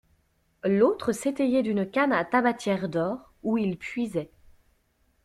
L'autre s'étayait d'une canne à tabatière d'or, où il puisait.